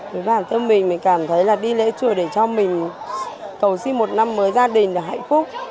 với bản thân mình mình cảm thấy là đi lễ chùa để cho mình cầu xin một năm mới gia đình là hạnh phúc